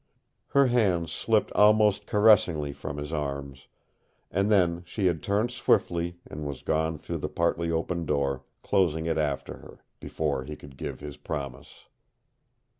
Her hands slipped almost caressingly from his arms, and then she had turned swiftly and was gone through the partly open door, closing it after her, before he could give his promise.